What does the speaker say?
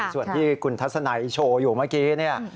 ส่วนที่คุณทัศนัยโชว์อยู่เมื่อกี้เนี่ย